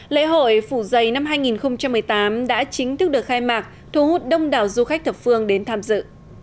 lễ hội phủ giày năm hai nghìn một mươi tám đã chính thức được khai mạc thu hút đông đảo du khách thập phương đến tham dự